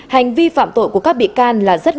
hành vi phạm tội của các bị can là rất nghiêm trọng